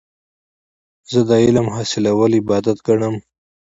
زه د علم حاصلول عبادت ګڼم.